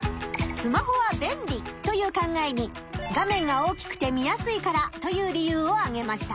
「スマホは便利」という考えに「画面が大きくて見やすいから」という理由をあげました。